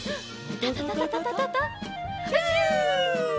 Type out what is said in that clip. タタタタタタひゅ！